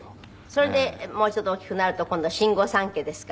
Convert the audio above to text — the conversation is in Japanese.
それでもうちょっと大きくなると今度は新御三家ですか。